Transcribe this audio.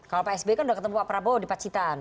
kalau pak sby kan udah ketemu pak prabowo di pacitan